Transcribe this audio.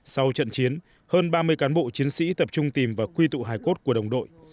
sau trận chiến hơn ba mươi cán bộ chiến sĩ tập trung tìm và quy tụ hải cốt của đồng đội